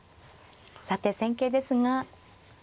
さて戦型ですが。